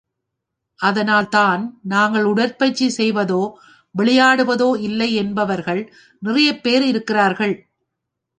அதனால் தான் நாங்கள் உடற்பயிற்சி செய்வதோ விளையாடுவதோ இல்லை என்பவர்கள் நிறையபேர் இருக்கிறார்கள்.